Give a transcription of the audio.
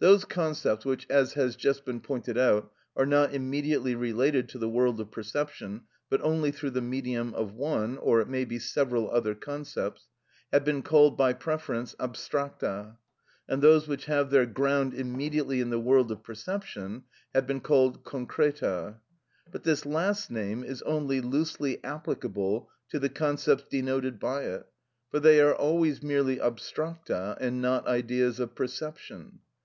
Those concepts which, as has just been pointed out, are not immediately related to the world of perception, but only through the medium of one, or it may be several other concepts, have been called by preference abstracta, and those which have their ground immediately in the world of perception have been called concreta. But this last name is only loosely applicable to the concepts denoted by it, for they are always merely abstracta, and not ideas of perception.